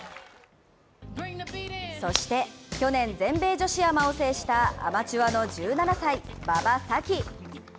そして去年、全米女子アマを制したアマチュアの１７歳馬場咲希。